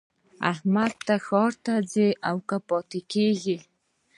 احمده! ته ښار ته ځې او که پاته کېږې؟